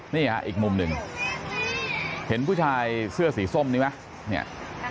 นี่ฮะอีกมุมหนึ่งเห็นผู้ชายเสื้อสีส้มนี้ไหมเนี่ย